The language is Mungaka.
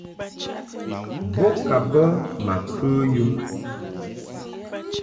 Bo ka bə ma kə yum.